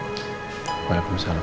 assalamualaikum warahmatullahi wabarakatuh